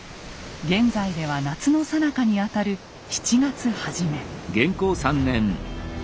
現在では夏のさなかにあたる７月初め。